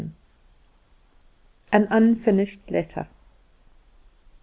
XI. An Unfinished Letter.